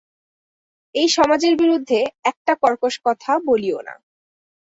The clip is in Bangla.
এই সমাজের বিরুদ্ধে একটা কর্কশ কথা বলিও না।